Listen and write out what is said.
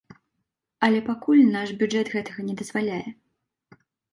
Але пакуль наш бюджэт гэтага не дазваляе.